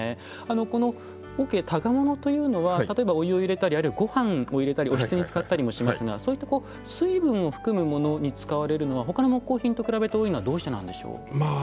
この桶箍物というのは例えばお湯を入れたりあるいはごはんを入れたりおひつに使ったりもしますがそういった水分を含むものに使われるのはほかの木工品と比べて多いのはどうしてなんでしょう？